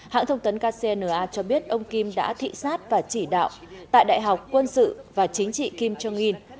hãng thông tấn kcna cho biết ông kim đã thị xát và chỉ đạo tại đại học quân sự và chính trị kim jong un